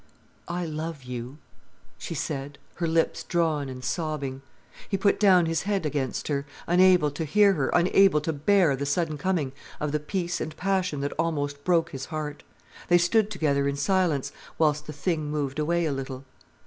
"I love you," she said, her lips drawn and sobbing. He put down his head against her, unable to hear her, unable to bear the sudden coming of the peace and passion that almost broke his heart. They stood together in silence whilst the thing moved away a little.